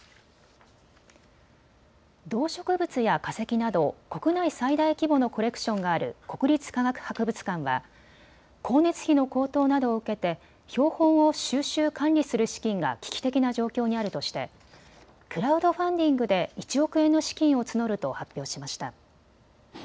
動植物や化石など国内最大規模のコレクションがある国立科学博物館は光熱費の高騰などを受けて標本を収集・管理する資金が危機的な状況にあるとしてクラウドファンディングで１億円の資金を募ると発表しました。